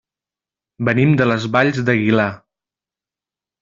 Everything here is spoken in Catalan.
Venim de les Valls d'Aguilar.